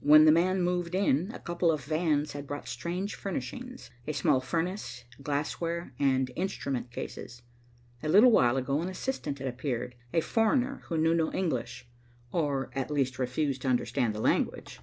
When the man moved in, a couple of vans had brought strange furnishings, a small furnace, glassware and instrument cases. A little while ago an assistant had appeared, a foreigner who knew no English, or at least refused to understand the language.